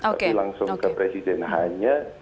tapi langsung ke presiden hanya